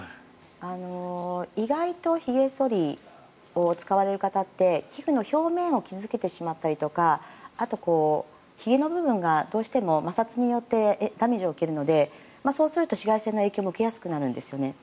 意外とひげ剃りを使われる方って皮膚の表面を傷付けてしまったりとかあと、ひげの部分がどうしても摩擦によってダメージを受けるのでそうすると紫外線の影響も受けやすくなるんですよね。